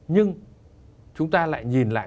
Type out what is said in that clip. nhưng chúng ta lại nhìn lại